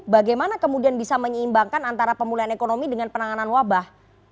bagaimana kemudian bisa menyeimbangkan antara pemulihan ekonomi dengan penanganan wabah